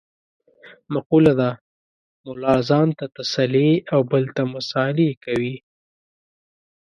مقوله ده : ملا ځان ته تسلې او بل ته مسعلې کوي.